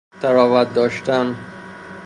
طراوت داشتن